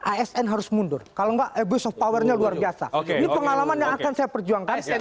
asn harus mundur kalau nggak episode powernya luar biasa oke pengalaman yang akan saya perjuangkan